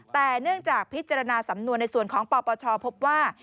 แต่เนื่องจากพิจารณาสำนวนในส่วนของปปชพบว่า